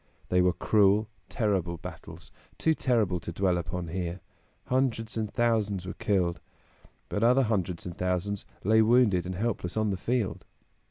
They were cruel, terrible battles, too terrible to dwell upon here. Hundreds and thousands were killed; but other hundreds and thousands lay wounded and helpless on the field.